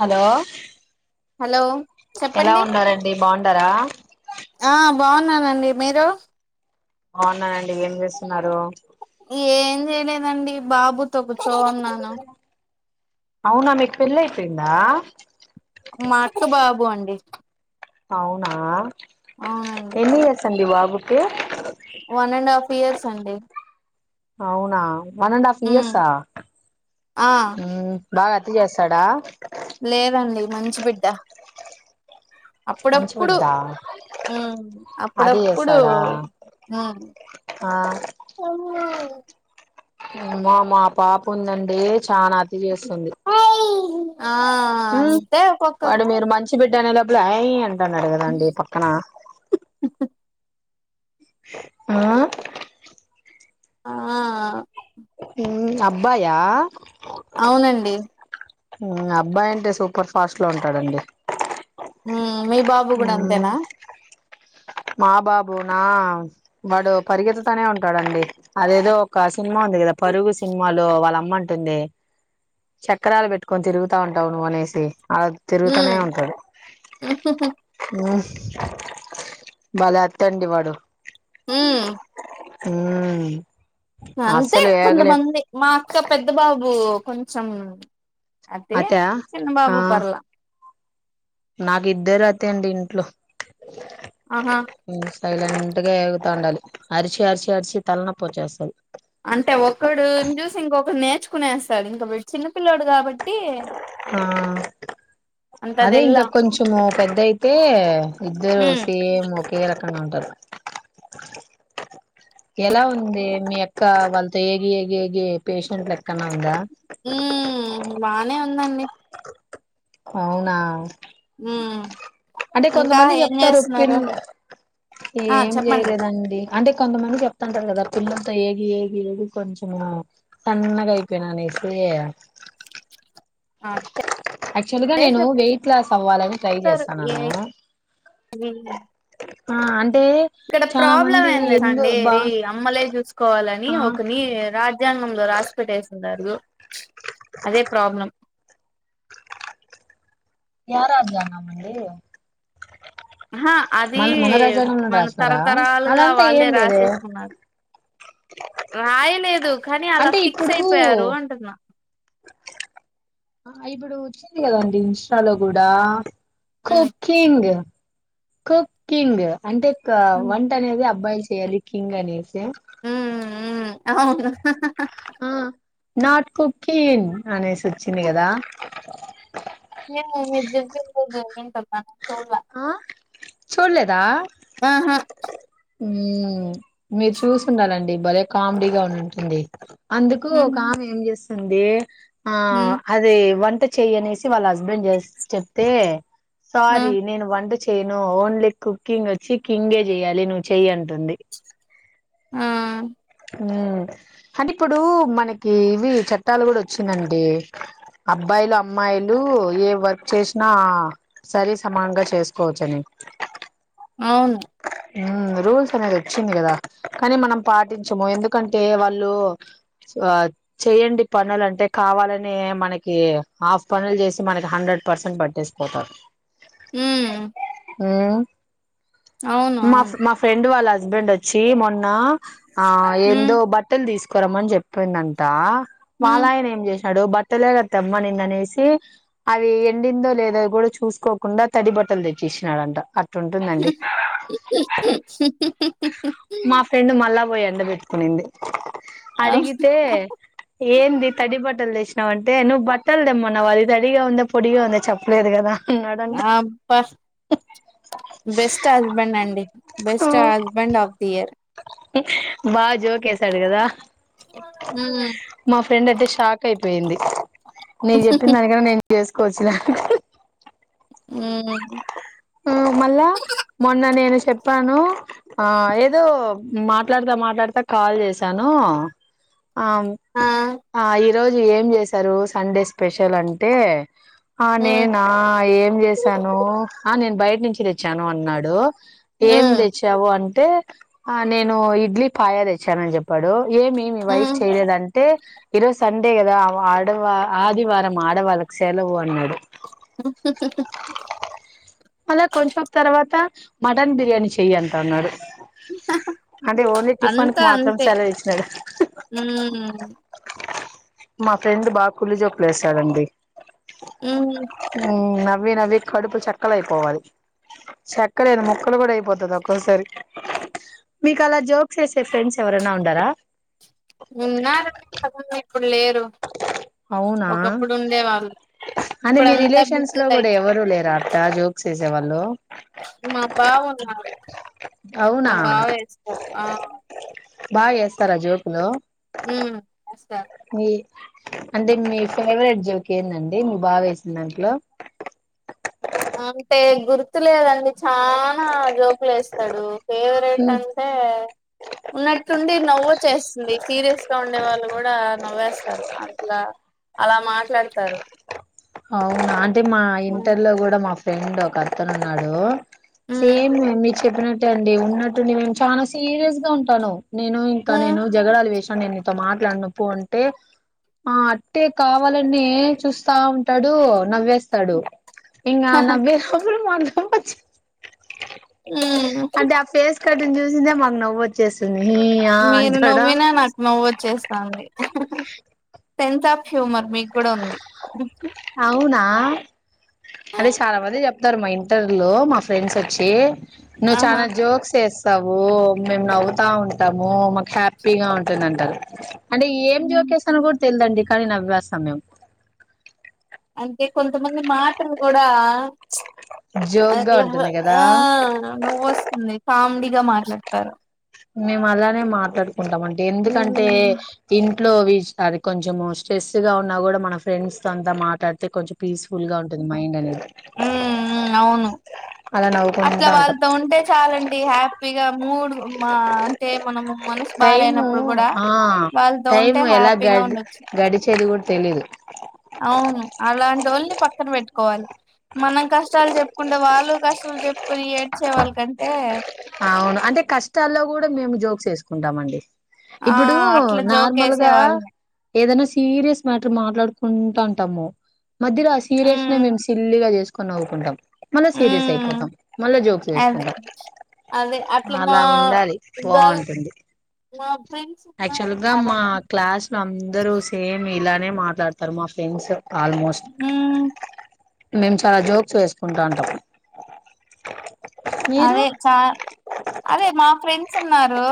Hello hello ఎలా చెప్పండి ఉండారండి బాండారా ఆ బాగున్నానండి మీరు అవున్నానండి ఏం చేస్తున్నారు ఏం చేయలేదండి బాబుతో కూర్చో ఉన్నాను అవునా మీకీ పెళ్లయిపోయిందా మాక్క బాబు అండి అవునా అవునండి ఎన్ని ఇయర్స్ అండి బాబుకి వన్ అండ్ హాఫ్ ఇయర్స్ అండి అవునా one and half um years ఆ బాగ చేసడ లేదండి మంచి బిడ్డ మంచి అప్పుడప్పుడు బిడ్డా ఉమ్ అతి అప్పుడప్పుడు చేస్తాడా ఉ ఆ అ అమ్మా మా పాప ఉందండి చానా అతి చేస్తుంది ఆ మ్మ్ అంతే ఒక్కొక్కరు వాడు మీరు మంచి బిడ్డ అనే లోపే అయ్ అంటున్నారు కదా అండి పక్కన ఆ ఆ ఉ అబ్బాయా అవునండి అబ్బాయి అంటే సూపర్ ఫాస్ట్లో ఉంటాడండి ఉమ్ మీ బాబు గూడా అంతేనా మా బాబు నా వాడు పరిగెత్తుతనే ఉంటాడండి అదేదో కాస్ సినిమా ఉంది గదా పరుగు సినిమాలో వాళ్ళ అమ్మంటుందే చక్రాలు పెట్టుకొని తిరుగుతా ఉంటావు నువ్వు అనేసి అలా తిరుగుతనే ఉమ్ ఉంటాడు ఉం భలే అత్తండి వాడు ఉమ్ ఉమ్మ్ అంతె కొంతమంది మా అక్క పెద్ద బాబు కొంచెం అతే అతా చిన్న ఆ బాబు పర్ల నాకు ఇద్దరు అతె అండి ఇంట్లో ఆహా తైలట్గా ఎగుతూ ఉండాలి అరిచి అరిచి అరిచి తలనొప్పాచ్చేస్తది అంటే ఒకడున్ చూసి ఇంకొకడు నేర్చుకునేస్తాడు ఇంకా వీడు చిన్న పిల్లోడు కాబ ఆ అంత అదే ఇంకా తెల్లా కొంచము పెద్ద అయితే ఇద్దరు ఉమ్ సేమ్ ఒకే రక అ అంటర్ ఎలా ఉంది మీ యక్క వాళ్ళతో ఏగి ఏగి ఏగి పేషెంట్లేక్కనా ఉందా ఉమ్ బానే ఉందండి అవునా ఉమ్ అంటే ఇంకా కొంతమంది ఏం చెప్తారుప్పి చేస్తున్నారు ఆ ఏం చెప్పండి చేయలేదండి అంటే కొంతమంది చెప్తంటారు కదా పిల్లలతో ఏగి ఏగి ఏగి కొంచెం సన్నగా అయిపోయినా అనే సియ ఆ యాక్చువల్గా అదే నేను వెయిట్ లాస్ అవ్వాలని ట్రై చేస్తాన్నాను హ ఆ అం ఇక్కడ ప్రాబ్లం ఏంది తెల్సాండి బా ఈ అమ్మలే చూసుకోవాలని ఆ ఒకని రాజ్ జ్యాంగంలో రాసిపెటేసిండారు అదే ప్రాబ్లం యా రాజ్యాంగం అండీ ఆహా అది మన మన రాజ్యాంగంలో మన రాసినారా తరతరాలుగా అదంతా వాళ్ళే ఏం లేదే రాసేసుకున్నారు రాయలేదు కానీ అలా అంటే ఫిక్స్ ఇప్పుడు అయిపోయారు అంటున్నా ఇప్పుడు వచ్చింది కదండి ఇన్స్టాలో గుడా హ్మ్ కుక్కింగ్ కుక్కిింగ్ అంటే హ్మ్ వంట అనేది అబ్బాయిల్ చ్ చేయాలి కింగ్ అనేసి ఉమ్ అవున్ ఆ నాట్ కుకీన్ అనేసి వచ్చింది కదా ఏమో మీర్ చెప్పేది [unintelligible] వింటున్నా చూడలా ఆ చూల్లేదా ఆహా ఉం మీరు చూసుండాలండి భలే కామెడీగా ఉండింటుంది అందుకు ఒక హ్మ్ ఆమె ఏం చేస్తుంది ఆ హ్మ్ అది వన్ ట చెయ్ అనేసి వాళ్ళ హస్బెండ్ చెప్తే ఆ సారీ నేను వంట చెయను ఓన్లీ కుకింగ్ వచ్చి కింగే చెయ్యాలి నువ్వు చెయ్ అంటుంది ఆ ఉమ్ అంటే ఇప్పుడు మనకి ఇవి చట్టాలు గుడా వచ్చిందండి అబ్బాయిలు అమ్మాయిలు ఏ వర్క్ చేసినా సరి సమానంగా చేసుకోవచ్చ అని. అవును. ఉమ్ రూల్స్ అనేది వచ్చింది కదా కానీ మనం పాటించము ఎందుకంటే వాళ్ళు. ఆహ్ చేయండి పనులు అంటే కావాలని మనకి హాఫ్ పనులు చేసి మనకి హండ్రెడ్ ప. పర్సన్ పట్టేసి పోతారు. ఉమ్. మా అవును మా ఫ్రెండ్ వాళ్ళ హస్బెండ్ వచ్చి మొన్న. ఆహ్ హ్మ్ ఏందో బట్టలు తీసుకురమని చెప్పిండంటా హ్మ్ వాలాయన ఏం చేసి. డు బట్టలేకదా తెమ్మనిందానేసి అవి ఎండిందో లేదో కూడా చూసుకోకుండా తడిబ. బట్టలు తెచ్చి వేసేస్నాడంటా అట్లుంటుందండి. ఉమ్. అల్లా పోయి ఎండ పెట్టుకునింది అవ్ అడిగితే ఏంది తడి బట్టలు తెచ్చు. ఆహ్ అంటే నువ్వు బట్టలు దేమ్మన్నావ్ అది తడిగా ఉందా పొడిగా ఉందా చెప్పలేదు కదా. అన్నాడంట అబ్బా బెస్ట్ హస్బెండ్. అండి best husband of the year. బాగా జోకేశాడు కదా. ఉమ్. మా ఫ్రెండ్ అయితే షాక్ అయిపోయింది నేను చెప్పిన దానికన్నా నేను చేసుకోవచ్చుగా. హ్మ్ ఆహ్ మళ్ళా మొన్న నేను చెప్పాను. ఆహ్ ఏదో మాట్లాడతా మాట్లాడతా కాల్ చేసాను. ఆ ఆహ్ ఈరోజు ఏం చేశారు సండే స్పెషల్ అంటే. ఆహ్ హ్మ్ నేనా ఏం చేసాను ఆహ్ నేను బయట నుంచి. తెచ్చాను అన్నాడు ఏం హ్మ్ తెచ్చావు అంటే. ఆహ్ నేను ఇడ్లీ పాయ తెచ్చానని చెప్పాడు ఏమి మీ వైఫ్ హ్మ్ చేయలేదంటే ఈరోజు సండే కదా ఆడవా ఆదివారం ఆడవాళ్ళకి సెలవు అన్నాడు. అలా కొంచెం తర్వాత. మటన్ బిర్యానీ చెయ్యి అంటున్నాడు. అంటే ఓన్లీ టిఫిన్ కి మాత్రం సెలవు ఇచ్చినాడు. ఉమ్. మా ఫ్రెండ్ బాగా కుళ్ళు జోకులు వేస్తాడండీ. హ్మ్ నవ్వి నవ్వి కడుపులు చక్కలైపోవాలి చెక్కలేంది ముక్కలు కూడా అయిపోతది ఒక్కొసారి. మీకు అలా జోక్స్ వేసే ఫ్రెండ్స్ ఎవరైనా ఉండారా. ఉన్నారండి ఇంతకుముందే ఇప్పుడు లేరు అవునా ఒకప్పుడు ఉండే వాళ్ళు. అంటే మీ రిలేషన్స్ లో కూడా ఎవరు లేరు అట్లా జోక్స్ వేసేవాళ్ళు. మా బావున్నాడు మా అవునా బావ ఎస్తారు ఆహ్. బాగెస్తారా జోకులు. ఉమ్. మీయ్. అంటే మీ ఫేవరెట్ జోకెందండి మీ బావవేసిన దాంట్లో. ఆహ్ అంటే గుర్తులేదండి చ్. చానా జోకులేస్తడు ఫేవరెట్ ఉమ్ అంటే. ఉన్నట్టుండి నవ్వొచ్చెస్తుంది సీరియస్ గా ఉండే వాళ్ళు కూడా నవ్వేస్తారు అట్లా. అలా మాట్లాడుతారు. అవునా అంటే మా ఇంటర్ లో కూడా మా ఫ్రెండ్ ఒక అతనున్నాడు సేమ్ మీరు చెప్పినట్టెఅండి ఉన్నట్టుండి మేమ్ చానా సీరియస్ గా ఉంటాను నేను ఇంకా మ్మ్ నేను జగడాలు వేసి నేను నీతో మాట్లాడను పో అంటే ఆ అట్టే కావాలని చూస్తా ఉంట్ టడు నవ్వేస్తాడు ఇంగ నవ్వేప్పుడు మాకూ నవ్వొచ్చిద్ ఉ కటింగ్ చూసిందే మాక్ నవ్వొచ్ మీరు నవ్విన నాకు నువ్వొచ్చేస్తాంది సెన్స్ ఆఫ్ హ్యూమర్ మీకు కూడా ఉంది అవునా అదే చాలా మంది చెప్తారు మా ఇంటర్ లో మా ఫ్రెండ్సోచ్చి నువ్ ఆహా చానా జోక్సేస్ తావు మేము నవ్వుతా ఉంటాము మాకు హ్యాపీగా ఉంటుందంటారు అంటే ఏం జ్యోక్ కెస్తానో కూడా తెలిదండి కానీ నవ్వెస్తాం మేము అంటే కొంతమంది మాటలు కూడా జోక్ గా అట్లా ఉంటుంది కదా ఆ నువ్వోస్తుంది కామిడిగా మాట్లాడతారు మేము అలానే మాట్లాడుకుంటామండి ఎందుకంటే మ్మ్ ఇన్ ట్లో విష్అని కొంచెం స్ట్రెస్ గా ఉన్నా కూడా మన ఫ్రెండ్స్ తో అంతా మాట్లాడితే కొంచెం పీస్ఫుల్ గా ఉంటది మైండ్ అనేది ఉ ఉ అవును అలా అట్లా నవ్వుకుంటా ఉంటాం వాళ్తో ఉంటే చాలండి హ్యాపీగా మూడ్ మా అంటే మనము మనసు టైము బాలేనప్పుడు కూడా ఆ వాళ్ళతో ఉంటే టైము ఎలా హ్యాపీగా గడ్ ఉండొచ్చు గడిచేది గూడ్ తెలీదు అవును అలాంటోళ్ని పక్కన పెట్టుకోవాలి మనం కష్టాలు చెప్పుకుంటే వాళ్ళు కష్టాలు చెప్పుకొని ఏడ్చే వాళ్కంటే అవును అంటే కష్టాల్లో కూడా మేము జోక్సేసుకుంటామండి ఆ ఇప్పుడు అట్లా జోకేసే నార్మల్గా వాళ్ళని ఏదనా సీరియస్ మ్యాటర్ మాట్లాడుకుంటాంటాము మధ్యలో ఆ సీరియస్ నే ఉమ్ మేమ్ సిల్లిగా చేసుకొని నవ్వుకుంటాం మళ్ళా సీరియస్ ఉమ్ అయిపోతాం మళ్ళా అదే జోక్సేసుకుంటాం అదే అట్లా మా అలా ఉండాలి గర్ల్ బావుంటుంది మా ఫ్రెండ్స్ ఉన్నారు యాక్చువల్ గా చాలా మా మంది క్లాస్ లో అందరూ సేమ్ ఇలానే మాట్లాడ్తారు మా ఫ్రెండ్స్ ఆల్మోస్ట్ ఉమ్ మేము చాలా జోక్సేసుకుంటాంటం అదే చా అదే మా ఫ్రెండ్సున్నారు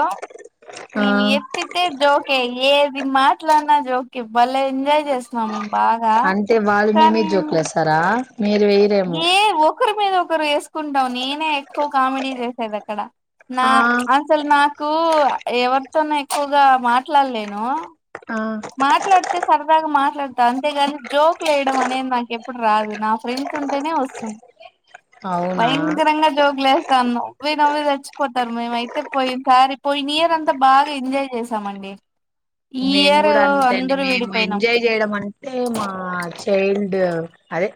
ఆ మేమ్ ఎత్తితే జోకె ఏది మాట్లాడినా జోకె బలే ఎంజాయ్ చేస్తాం మేమ్ బాగా అంటే వాళ్ళు మీ కానీ మీద జోకులేస్తారా మీరు వేయరేమో ఏ ఒకరి మీద ఒకరేసుకుంటాం నేనే ఎక్కువ కామెడీ చేసేదక్కడ నా ఆ అసలు నాకు ఎవరితోనేక్ ఎక్కువగా మాట్లాడ్లేను ఆ మాట్లాడితే సరదాగా మాట్ లేడ్తా అంతేగాని జోక్లేయడం అనేది నాకు ఎప్పుడు రాదు నా ఫ్రెండ్స్ ఉంటేనే వస్తుంది అవును భయంకరంగా జోగులు వస్తాను నవ్వే నవ్వి చచ్చిపోతారు మేము అయితే పోయి సారీ పోయి నియర్ అంతా బాగా ఎంజాయ్ చేసామండి ఈ మేము ఇయర్ కూడా అంతే అండి అందరూ మేము విడిపోయినాం ఎంజాయ్ చేయడం అంటే మా చైల్డ్ అదే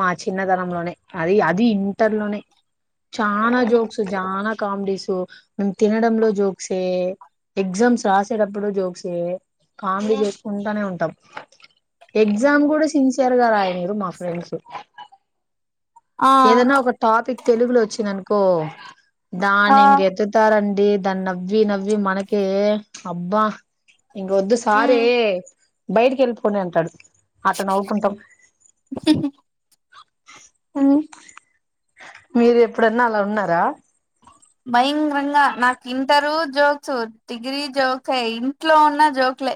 మా చిన్నతనంలోనే అది అది ఇంటర్లోనే చానా జోక్సు చానా కామెడీస్ మేము తినడంలో జోక్సే ఎగ్జామ్స్ రాసేటప్పుడు జోక్సే కామెడీ చేసుకుంటనే ఉంటాం ఎగ్జామ్ గుడా సిన్సియర్ గా రాయనీయరు మా ఫ్రెండ్స్ ఏదన్నా ఆ ఒక టాపిక్ తెలుగులోచ్చింది అనుకో దాన్ని ఇంగేత్తుతారం డి దాన్ నవ్వి నవ్వి మనకే అబ్బా ఇడోద్దు సారే బయటికి వెళ్ళిపోండి అంటాడు అట్ట నౌకుంటం ఉం మీరు ఎప్పుడన్నా అలా ఉన్నారా భయంరంగా నాకు ఇంటరు జోక్స్ డిగ్రీ జోకె ఇంట్లో ఉన్న జోక్ ట్లే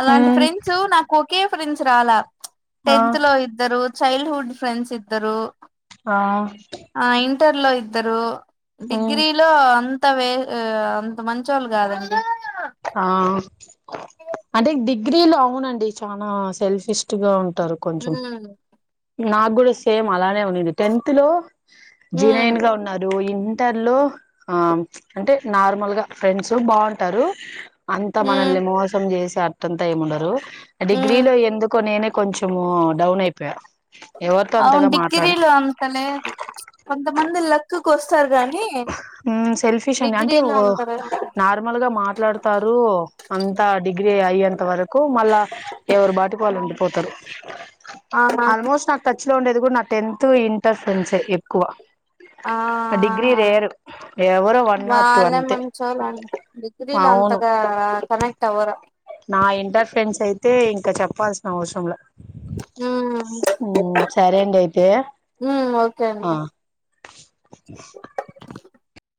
అలాంటి ఫ్రెండ్స్ నాకు ఒకే ఫ్రెండ్స్ రాలా ఆ టెన్త్ లో ఇద్దరు చైల్డ్ హుడ్ ఫ్రెండ్స్ ఇద్దరు ఆ ఆ ఇంటర్ లో ఇద్దరు డిగ్రీలో అం త వే అంత మంచొళ్ళు కాదండి ఆ అంటే డిగ్రీలో అవునండి చనా సెల్ఫిస్ట్ గా ఉ ంటారు ఉ కొంచం నాకు కూడా సేమ్ అలానే ఉన్నింది టెన్త్ లో ఉ జినైన్ గా ఉన్నారు ఇన్ ంటర్లో ఆ అంటే నార్మల్ గా ఫ్రెండ్స్ బాగుంటారు అంత ఉ మనల్ని మోసం చేసి అట్టంత ఏముండరు ఉ డిగ్రీలో ఎందుకో నేనే కొంచము డౌన్ అయిపోయా ఎవరితో అవున్ అంతగా మాట్లాడను డిగ్రీలో అంతలేద్ కొంత మంది లక్క్క్ వస్తారు గాన్ ఉమ్ సెల్ఫిష్ అండి అంటే ఓ అంటారు నార్మల్ గా మాట్లాడతారు అంత డిగ్రీ అయ్యేంత వర కు మళ్ళా ఎవరు బాటిక్ వాళ్ళు ఉండిపోతరు ఆహా ఆల్మోస్ట్ నాక్ టచ్ లో ఉండేది గుడా నా టెన్త్ ఇంటర్ ఫ్రెండ్సే ఎక్కువ ఆ డిగ్రీ అ రేరు ఎవరో వన్ ఆర్ టూ వాళ్ళే అంతే మంచోల డిగ్రీలో అవును అంతగా కనెక్ట్వర నా ఇంటర్ ఫ్రెండ్స్ అయితే ఇంకా చెప్పాల్సిన అవ్సరంల ఉమ్ ఉమ్ సరే అండి అయితే ఉమ్ ఓకే ఆ అండి